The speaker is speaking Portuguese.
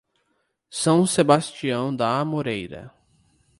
São Sebastião da Amoreira